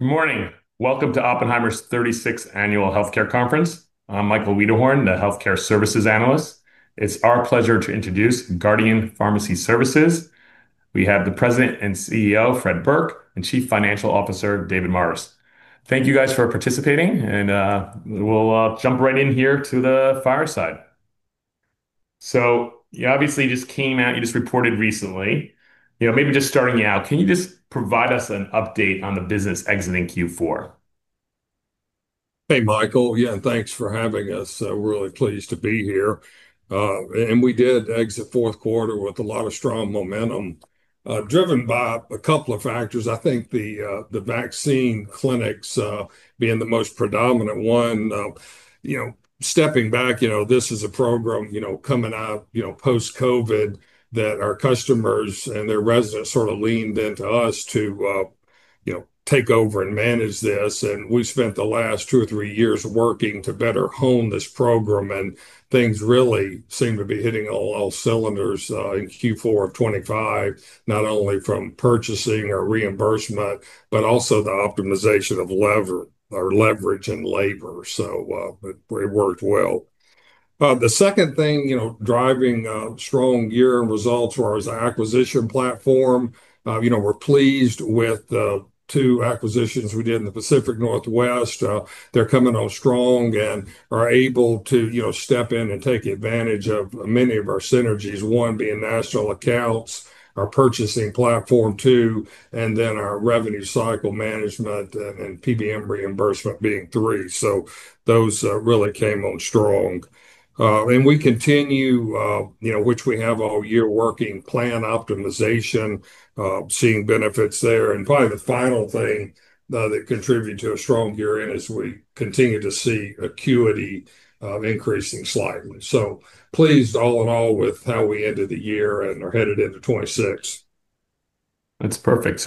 Good morning. Welcome to Oppenheimer's 36th Annual Healthcare Conference. I'm Michael Wiederhorn, the Healthcare Services Analyst. It's our pleasure to introduce Guardian Pharmacy Services. We have the President and CEO, Fred Burke, and Chief Financial Officer, David Morris. Thank you guys for participating and we'll jump right in here to the fireside. You obviously just came out, you just reported recently. You know, maybe just starting out, can you just provide us an update on the business exiting Q4? Hey, Michael. Yeah, thanks for having us. We're really pleased to be here. We did exit fourth quarter with a lot of strong momentum, driven by a couple of factors. I think the vaccine clinics being the most predominant one. You know, stepping back, you know, this is a program, you know, coming out, you know, post-COVID that our customers and their residents sort of leaned into us to, you know, take over and manage this. We spent the last two or three years working to better hone this program, and things really seem to be hitting all cylinders in Q4 of 2025, not only from purchasing or reimbursement, but also the optimization of leverage and labor. It worked well. The second thing, you know, driving a strong year-end results for our acquisition platform, you know, we're pleased with two acquisitions we did in the Pacific Northwest. They're coming on strong and are able to, you know, step in and take advantage of many of our synergies. One being national accounts, our purchasing platform, two, and then our revenue cycle management and PBM reimbursement being three. Those really came on strong. We continue, you know, which we have all year working plan optimization, seeing benefits there. Probably the final thing that contributed to a strong year-end is we continue to see acuity increasing slightly. Pleased all-in-all with how we ended the year and are headed into 2026. That's perfect.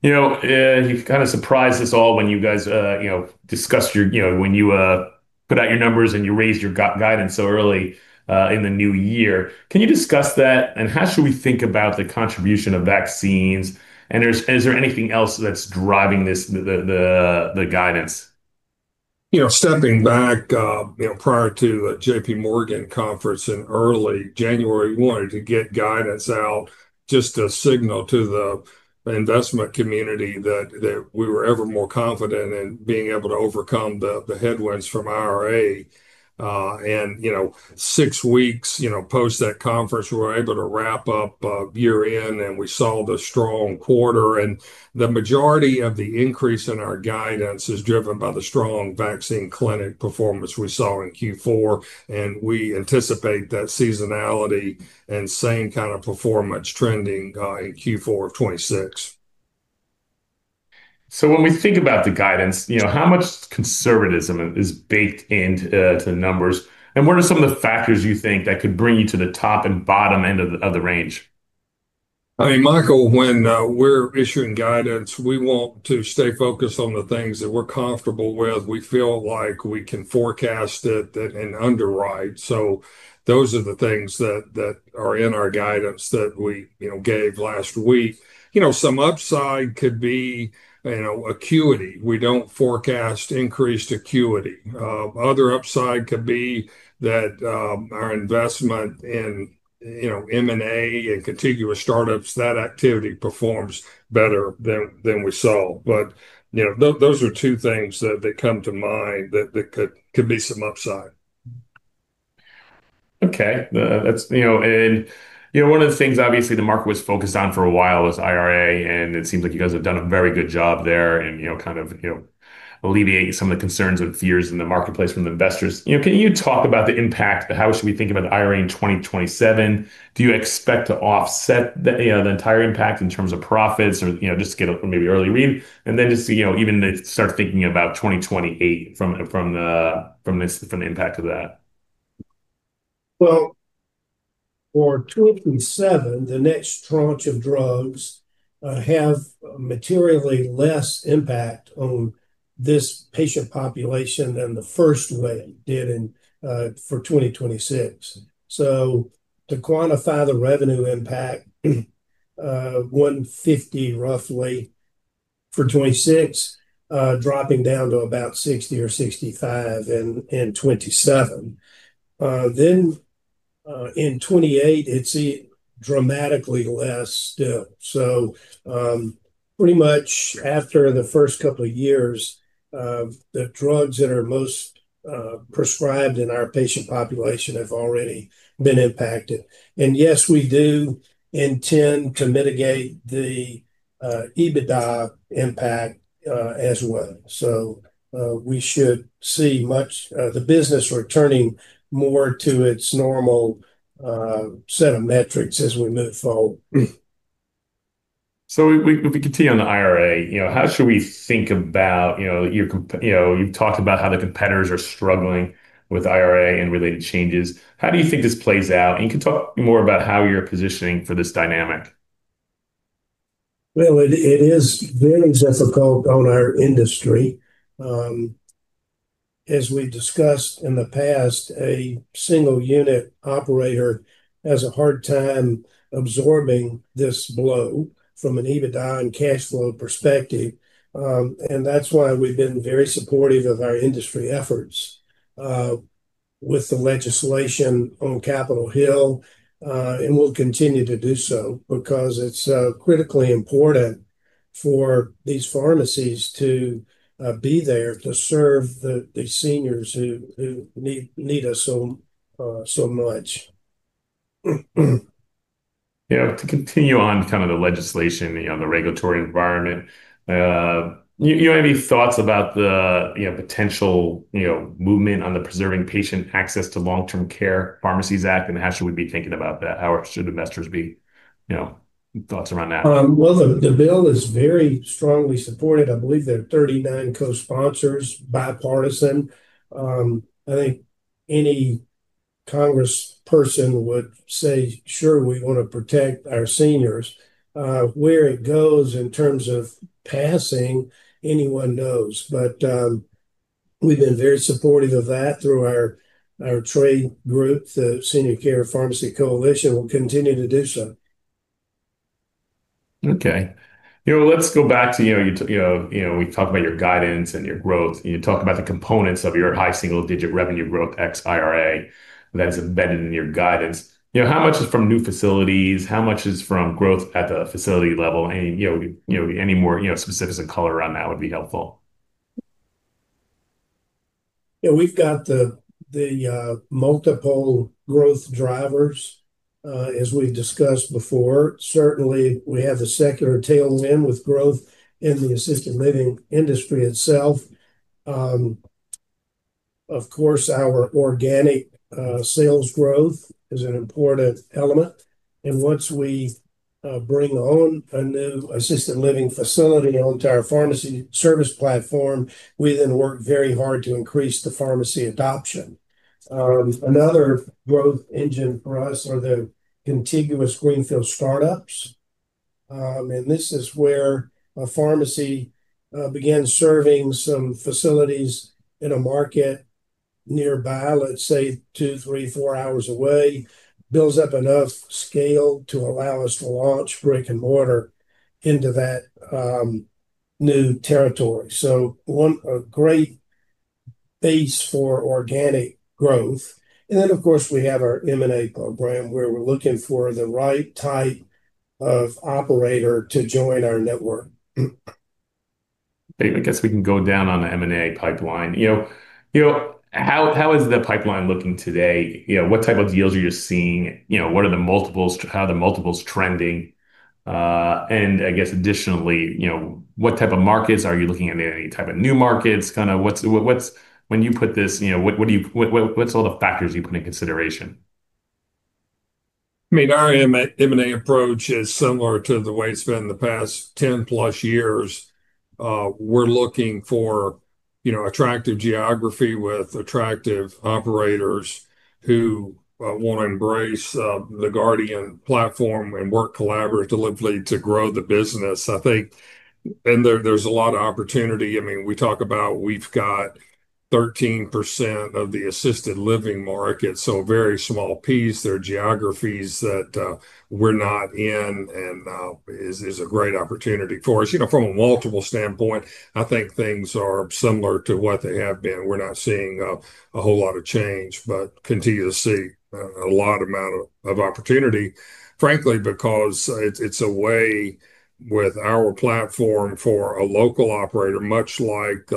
You know, you've kinda surprised us all when you guys, you know, discussed, you know, when you put out your numbers and you raised your guidance so early in the new year. Can you discuss that, and how should we think about the contribution of vaccines? Is there anything else that's driving this, the guidance? You know, stepping back, you know, prior to a JPMorgan conference in early January, we wanted to get guidance out, just to signal to the investment community that we were ever more confident in being able to overcome the headwinds from IRA. You know, six weeks, you know, post that conference, we were able to wrap up year-end, and we saw the strong quarter. The majority of the increase in our guidance is driven by the strong vaccine clinic performance we saw in Q4, and we anticipate that seasonality and same kind of performance trending in Q4 of 2026. When we think about the guidance, you know, how much conservatism is baked into the numbers? What are some of the factors you think that could bring you to the top and bottom end of the range? I mean, Michael, when we're issuing guidance, we want to stay focused on the things that we're comfortable with. We feel like we can forecast it and underwrite. Those are the things that are in our guidance that we, you know, gave last week. You know, some upside could be, you know, acuity. We don't forecast increased acuity. Other upside could be that our investment in, you know, M&A and contiguous startups, that activity performs better than we saw. You know, those are two things that come to mind that could be some upside. That's, you know, one of the things obviously the market was focused on for a while was IRA, and it seems like you guys have done a very good job there in, you know, kind of, you know, alleviating some of the concerns and fears in the marketplace from investors. You know, can you talk about the impact? How should we think about IRA in 2027? Do you expect to offset the, you know, the entire impact in terms of profits or, you know, just to get a maybe early read? Then just, you know, even to start thinking about 2028 from the impact of that. Well, for 2027, the next tranche of drugs have materially less impact on this patient population than the first wave did in 2026. To quantify the revenue impact, $150 roughly for 2026, dropping down to about $60 or $65 in 2027. In 2028, it's dramatically less still. Pretty much after the first couple of years of the drugs that are most prescribed in our patient population have already been impacted. Yes, we do intend to mitigate the EBITDA impact as well. We should see much the business returning more to its normal set of metrics as we move forward. We can continue on the IRA. You know, how should we think about, you know, you've talked about how the competitors are struggling with IRA and related changes. How do you think this plays out? You can talk more about how you're positioning for this dynamic. Well, it is very difficult on our industry. As we discussed in the past, a single unit operator has a hard time absorbing this blow from an EBITDA and cash flow perspective. That's why we've been very supportive of our industry efforts with the legislation on Capitol Hill. We'll continue to do so because it's critically important for these pharmacies to be there to serve the seniors who need us so much. Yeah. To continue on kind of the legislation, you know, the regulatory environment, you have any thoughts about the, you know, potential, you know, movement on the Preserving Patient Access to Long-Term Care Pharmacies Act, and how should we be thinking about that? How should investors be, you know, thoughts around that? Well, the bill is very strongly supported. I believe there are 39 co-sponsors, bipartisan. I think any Congress person would say, "Sure, we wanna protect our seniors." Where it goes in terms of passing, anyone knows. We've been very supportive of that through our trade group. The Senior Care Pharmacy Coalition will continue to do so. Okay. You know, let's go back to, you know, we talked about your guidance and your growth. Can you talk about the components of your high single-digit revenue growth ex IRA that's embedded in your guidance? You know, how much is from new facilities? How much is from growth at the facility level? And, you know, any more, you know, specifics and color around that would be helpful. Yeah. We've got the multiple growth drivers as we've discussed before. Certainly, we have the secular tailwind with growth in the assisted living industry itself. Of course, our organic sales growth is an important element. Once we bring on a new assisted living facility onto our pharmacy service platform, we then work very hard to increase the pharmacy adoption. Another growth engine for us are the contiguous greenfield startups. This is where a pharmacy begins serving some facilities in a market nearby, let's say two, three, four hours away, builds up enough scale to allow us to launch brick-and-mortar into that new territory. A great base for organic growth. Then, of course, we have our M&A program, where we're looking for the right type of operator to join our network. I guess we can go down on the M&A pipeline. You know, how is the pipeline looking today? You know, what type of deals are you seeing? You know, what are the multiples, how are the multiples trending? I guess additionally, you know, what type of markets are you looking at? Any type of new markets? Kinda what's, when you put this, you know, what do you, what's all the factors you put into consideration? I mean, our M&A approach is similar to the way it's been the past 10+ years. We're looking for, you know, attractive geography with attractive operators who wanna embrace the Guardian platform and work collaboratively to grow the business. I think, and there's a lot of opportunity. I mean, we talk about we've got 13% of the assisted living market, so a very small piece. There are geographies that we're not in, and is a great opportunity for us. You know, from a multiple standpoint, I think things are similar to what they have been. We're not seeing a whole lot of change, but continue to see a lot of opportunity, frankly, because it's a way with our platform for a local operator, much like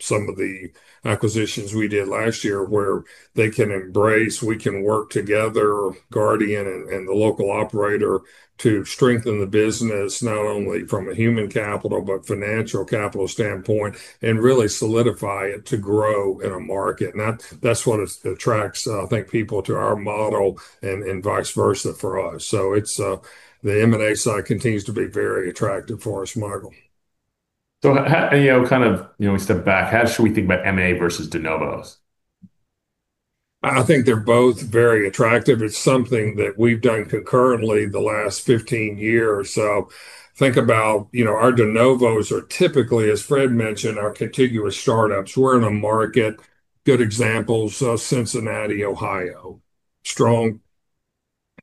some of the acquisitions we did last year, where they can embrace, we can work together, Guardian and the local operator, to strengthen the business, not only from a human capital, but financial capital standpoint, and really solidify it to grow in a market. That's what attracts, I think, people to our model and vice versa for us. The M&A side continues to be very attractive for us, Michael. How, you know, kind of, you know, we step back, how should we think about M&A versus de novos? I think they're both very attractive. It's something that we've done concurrently the last 15 years. Think about, you know, our de novos are typically, as Fred mentioned, contiguous startups. We're in a market, good example is Cincinnati, Ohio. Strong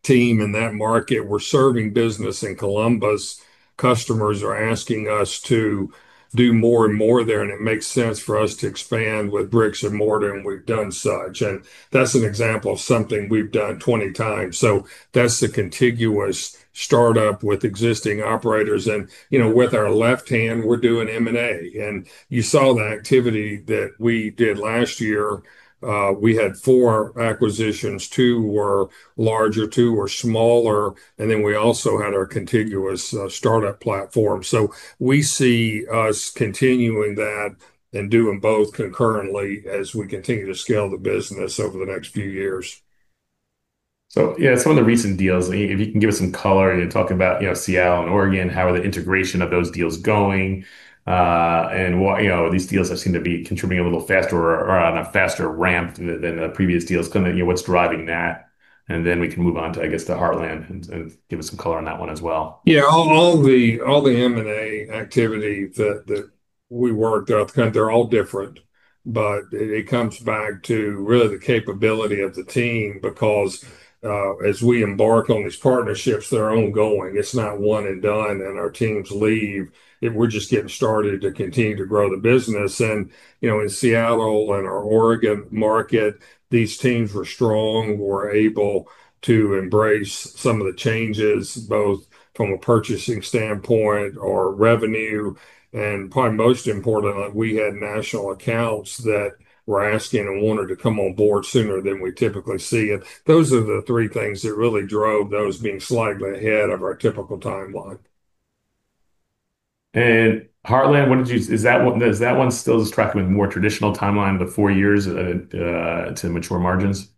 team in that market. We're serving business in Columbus. Customers are asking us to do more and more there, and it makes sense for us to expand with bricks and mortar, and we've done such. That's an example of something we've done 20 times. That's the contiguous startup with existing operators. You know, with our left hand, we're doing M&A. You saw the activity that we did last year. We had four acquisitions. Two were larger, two were smaller. Then we also had our contiguous startup platform. We see us continuing that and doing both concurrently as we continue to scale the business over the next few years. Yeah, some of the recent deals, if you can give us some color and talk about, you know, Seattle and Oregon, how are the integration of those deals going? And what, you know, these deals have seemed to be contributing a little faster or on a faster ramp than the previous deals. Kinda, you know, what's driving that? Then we can move on to, I guess, the Heartland and give us some color on that one as well. Yeah. All the M&A activity that we worked up, kind of they're all different, but it comes back to really the capability of the team because as we embark on these partnerships, they're ongoing. It's not one and done, and our teams leave. We're just getting started to continue to grow the business. You know, in Seattle and our Oregon market, these teams were strong. We're able to embrace some of the changes, both from a purchasing standpoint or revenue. Probably most importantly, we had national accounts that were asking and wanted to come on board sooner than we typically see. Those are the three things that really drove those being slightly ahead of our typical timeline. Heartland, is that one still tracking with more traditional timeline, the four years, to mature margins?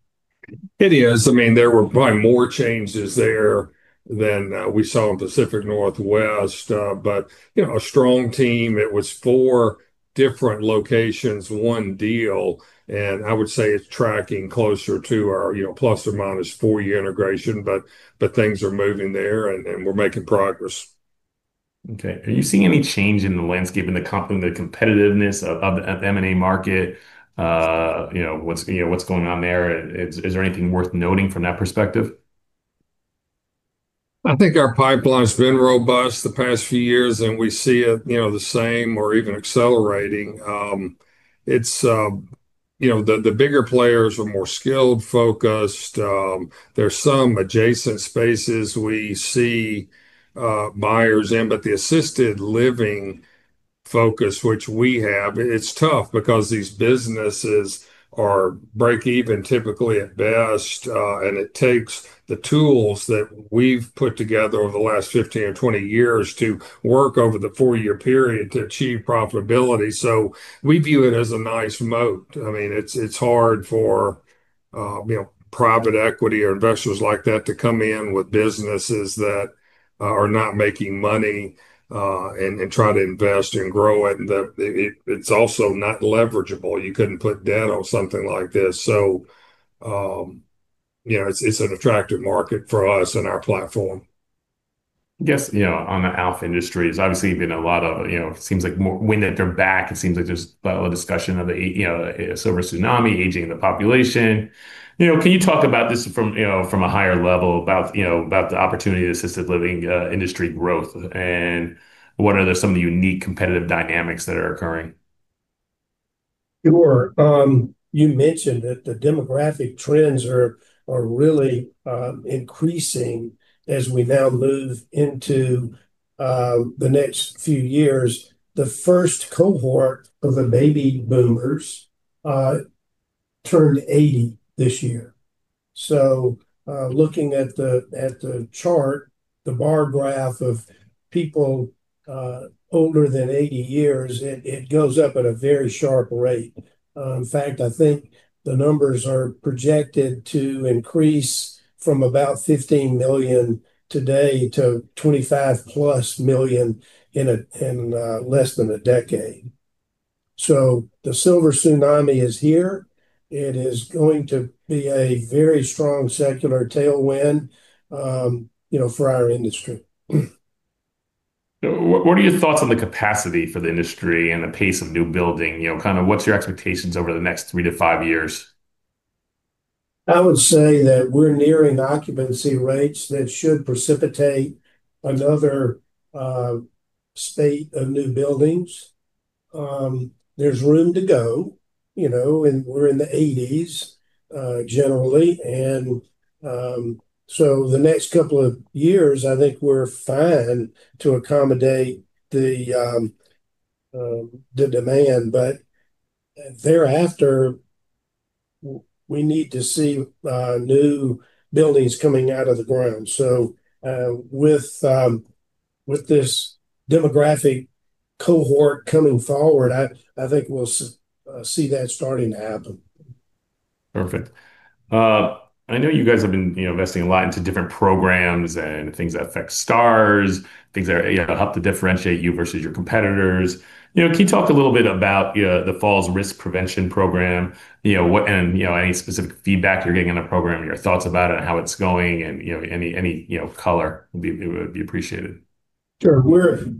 It is. I mean, there were probably more changes there than we saw in Pacific Northwest. But you know, a strong team. It was four different locations, one deal. I would say it's tracking closer to our, you know, plus or minus four-year integration, but things are moving there, and we're making progress. Okay. Are you seeing any change in the landscape, in the competitiveness of M&A market? You know, what's going on there? Is there anything worth noting from that perspective? I think our pipeline's been robust the past few years, and we see it, you know, the same or even accelerating. It's, you know, the bigger players are more skilled, focused. There's some adjacent spaces we see buyers in, but the assisted living focus which we have, it's tough because these businesses are break-even typically at best. It takes the tools that we've put together over the last 15 or 20 years to work over the four-year period to achieve profitability. We view it as a nice moat. I mean, it's hard for, you know, private equity or investors like that to come in with businesses that are not making money, and try to invest and grow it. It's also not leverageable. You couldn't put debt on something like this. You know, it's an attractive market for us and our platform. Yes. You know, on the health industry, there's obviously been a lot of, you know, seems like more wind at their back. It seems like there's a lot of discussion of the, you know, silver tsunami, aging the population. You know, can you talk about this from, you know, from a higher level about, you know, about the opportunity to assisted living industry growth, and what are some of the unique competitive dynamics that are occurring? Sure. You mentioned that the demographic trends are really increasing as we now move into the next few years. The first cohort of the baby boomers turned 80 this year. Looking at the chart, the bar graph of people older than 80 years, it goes up at a very sharp rate. In fact, I think the numbers are projected to increase from about 15 million today to 25+ million in less than a decade. The silver tsunami is here. It is going to be a very strong secular tailwind, you know, for our industry. What are your thoughts on the capacity for the industry and the pace of new building? You know, kind of what's your expectations over the next three to five years? I would say that we're nearing occupancy rates that should precipitate another state of new buildings. There's room to go, you know, and we're in the 80s, generally. The next couple of years, I think we're fine to accommodate the demand. But thereafter, we need to see new buildings coming out of the ground. With this demographic cohort coming forward, I think we'll see that starting to happen. Perfect. I know you guys have been, you know, investing a lot into different programs and things that affect stars, things that, you know, help to differentiate you versus your competitors. You know, can you talk a little bit about, you know, the falls risk prevention program, you know, what and any specific feedback you're getting in the program, your thoughts about it, how it's going, and, you know, any color would be appreciated. Sure.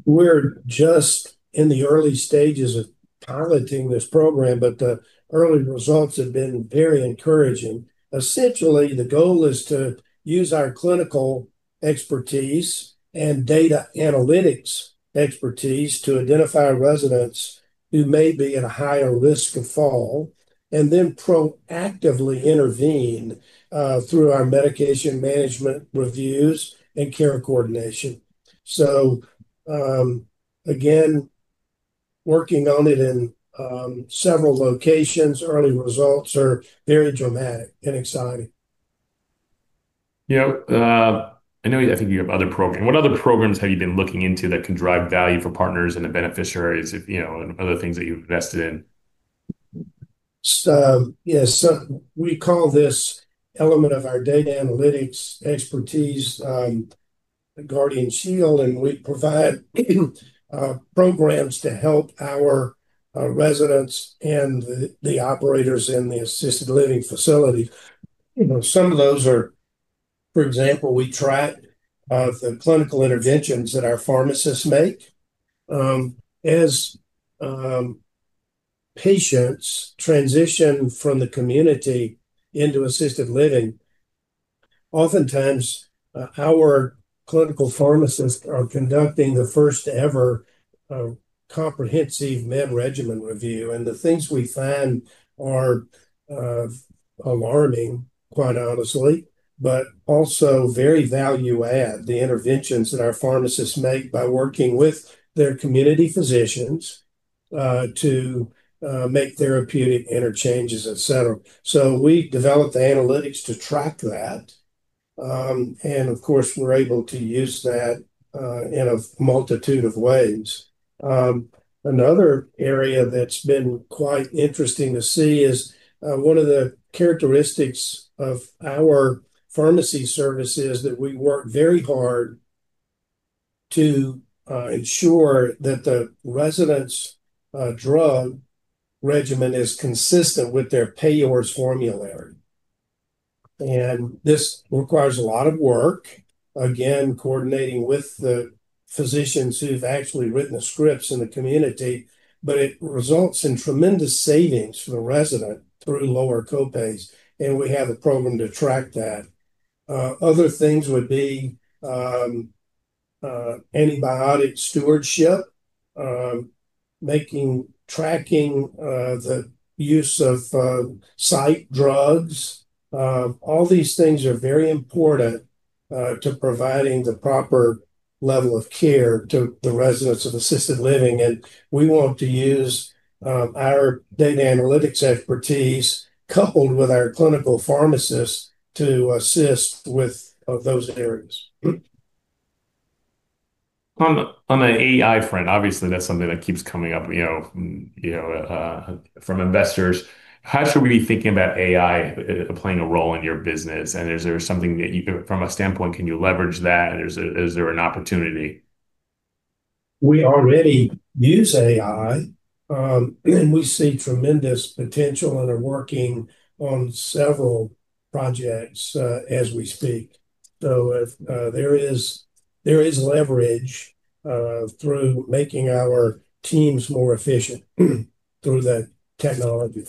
We're just in the early stages of piloting this program, but the early results have been very encouraging. Essentially, the goal is to use our clinical expertise and data analytics expertise to identify residents who may be at a higher risk of fall, and then proactively intervene through our medication management reviews and care coordination. Again, working on it in several locations, early results are very dramatic and exciting. You know, I know. I think you have other program. What other programs have you been looking into that can drive value for partners and the beneficiaries, you know, and other things that you've invested in? Yes. We call this element of our data analytics expertise, Guardian Shield, and we provide programs to help our residents and the operators in the assisted living facility. You know, some of those are, for example, we track the clinical interventions that our pharmacists make. As patients transition from the community into assisted living, oftentimes our clinical pharmacists are conducting the first-ever comprehensive medication regimen review. The things we find are alarming, quite honestly, but also very value add, the interventions that our pharmacists make by working with their community physicians to make therapeutic interchanges, et cetera. We developed the analytics to track that. Of course, we're able to use that in a multitude of ways. Another area that's been quite interesting to see is one of the characteristics of our pharmacy service is that we work very hard to ensure that the resident's drug regimen is consistent with their payors formulary. This requires a lot of work, again, coordinating with the physicians who've actually written the scripts in the community, but it results in tremendous savings for the resident through lower co-pays, and we have a program to track that. Other things would be antibiotic stewardship, making, tracking the use of psych drugs. All these things are very important to providing the proper level of care to the residents of assisted living, and we want to use our data analytics expertise coupled with our clinical pharmacists to assist with of those areas. On an AI front, obviously, that's something that keeps coming up, you know, from investors. How should we be thinking about AI playing a role in your business? Is there something from a standpoint, can you leverage that? Is there an opportunity? We already use AI, and we see tremendous potential and are working on several projects as we speak. If there is leverage through making our teams more efficient through the technology.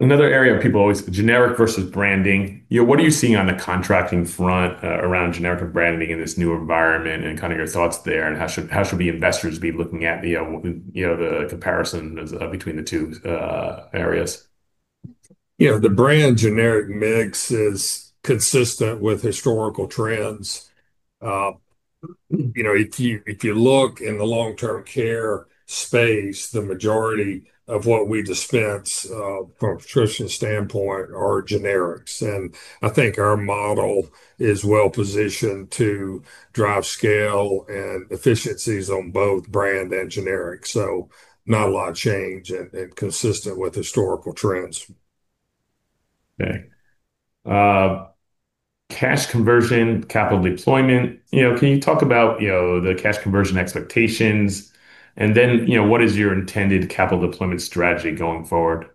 Another area people always generic versus branding. You know, what are you seeing on the contracting front around generic or branding in this new environment and kinda your thoughts there, and how should the investors be looking at the you know, the comparison between the two areas? You know, the brand generic mix is consistent with historical trends. You know, if you look in the long-term care space, the majority of what we dispense from a prescription standpoint are generics. I think our model is well-positioned to drive scale and efficiencies on both brand and generic. Not a lot of change and consistent with historical trends. Okay. Cash conversion, capital deployment. You know, can you talk about, you know, the cash conversion expectations? Then, you know, what is your intended capital deployment strategy going forward?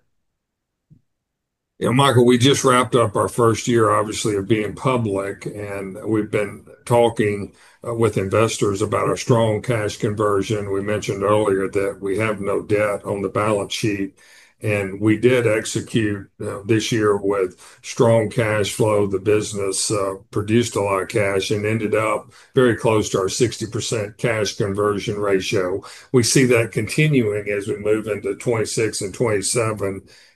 You know, Michael, we just wrapped up our first year, obviously, of being public, and we've been talking with investors about our strong cash conversion. We mentioned earlier that we have no debt on the balance sheet, and we did execute this year with strong cash flow. The business produced a lot of cash and ended up very close to our 60% cash conversion ratio. We see that continuing as we move into 2026 and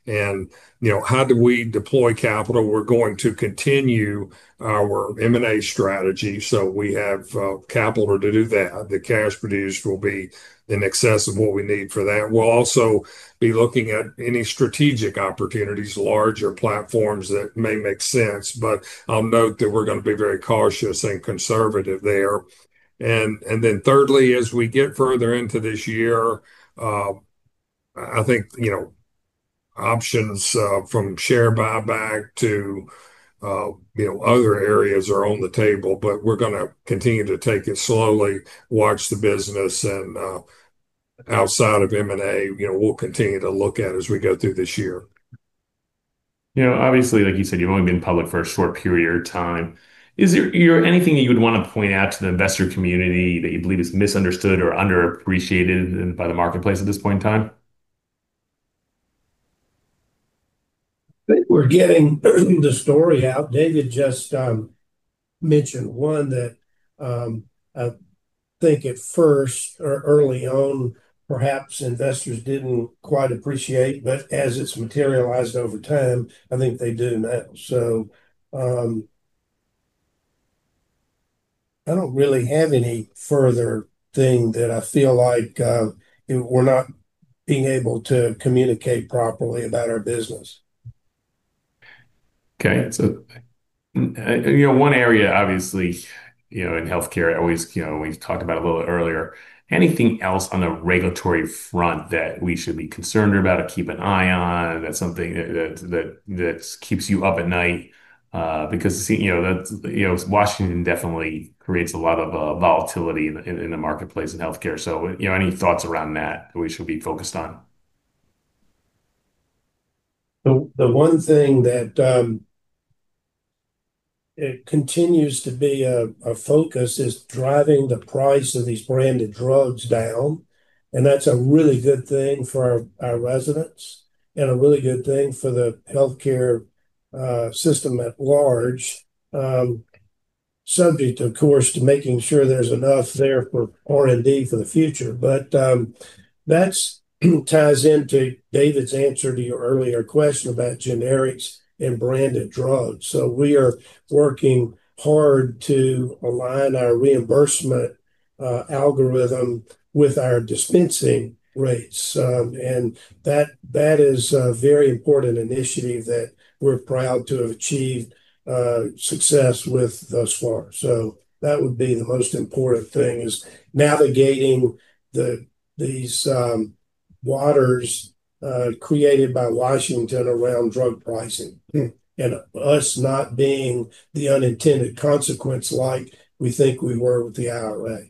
2027. You know, how do we deploy capital? We're going to continue our M&A strategy, so we have capital to do that. The cash produced will be in excess of what we need for that. We'll also be looking at any strategic opportunities, larger platforms that may make sense, but I'll note that we're gonna be very cautious and conservative there. Thirdly, as we get further into this year, I think, you know, options from share buyback to, you know, other areas are on the table. We're gonna continue to take it slowly, watch the business, and outside of M&A, you know, we'll continue to look at as we go through this year. You know, obviously, like you said, you've only been public for a short period of time. Is there anything that you would wanna point out to the investor community that you believe is misunderstood or underappreciated by the marketplace at this point in time? We’re getting the story out. David just mentioned one that I think at first or early on, perhaps investors didn't quite appreciate, but as it's materialized over time, I think they do now. I don't really have any further thing that I feel like, you know, we're not being able to communicate properly about our business. Okay. You know, one area, obviously, you know, in healthcare, always, you know, we've talked about a little earlier. Anything else on the regulatory front that we should be concerned about or keep an eye on, that's something that keeps you up at night? Because, you know, that's, you know, Washington definitely creates a lot of volatility in the marketplace in healthcare. You know, any thoughts around that we should be focused on? The one thing that it continues to be a focus is driving the price of these branded drugs down, and that's a really good thing for our residents and a really good thing for the healthcare system at large, subject of course to making sure there's enough there for R&D for the future. That ties into David's answer to your earlier question about generics and branded drugs. We are working hard to align our reimbursement algorithm with our dispensing rates. That is a very important initiative that we're proud to have achieved success with thus far. That would be the most important thing is, navigating these waters created by Washington around drug pricing, and us not being the unintended consequence like we think we were with the IRA.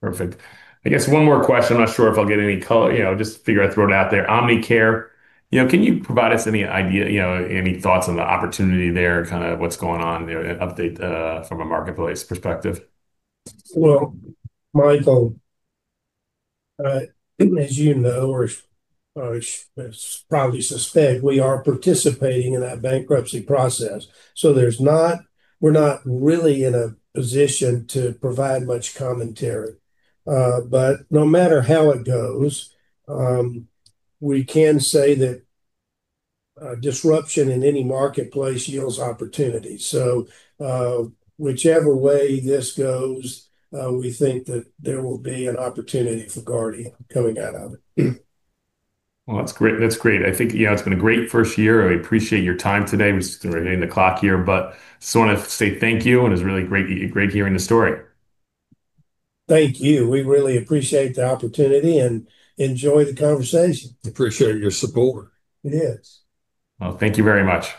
Perfect. I guess one more question. I'm not sure if I'll get any, you know, just figure I'd throw it out there. Omnicare, you know, can you provide us any idea, you know, any thoughts on the opportunity there, kind of what's going on there, an update, from a marketplace perspective? Well, Michael, as you know or as you probably suspect, we are participating in that bankruptcy process. We're not really in a position to provide much commentary. No matter how it goes, we can say that disruption in any marketplace yields opportunity. Whichever way this goes, we think that there will be an opportunity for Guardian coming out of it. Well, that's great. I think, you know, it's been a great first year. I appreciate your time today. We're just hitting the clock here, but just wanna say thank you, and it's really great hearing the story. Thank you. We really appreciate the opportunity, and enjoyed the conversation. Appreciate your support. Yes. Well, thank you very much.